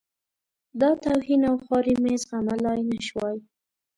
دا توهین او خواري مې زغملای نه شوای.